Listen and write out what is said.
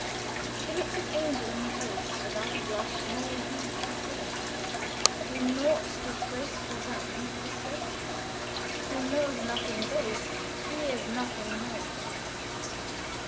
"He looks his angel in the face Without a blush: nor heeds disgrace, Whom naught disgraceful done Disgraces. Who knows nothing base Fears nothing known."